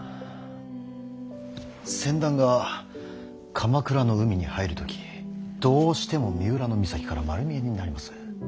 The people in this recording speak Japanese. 船団が鎌倉の海に入る時どうしても三浦の岬から丸見えになります。